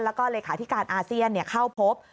แล้วก็เลขาธิการอาเซียนเข้าพบ